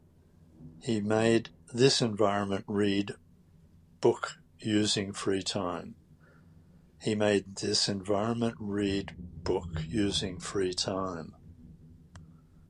He made this environment read book using free time.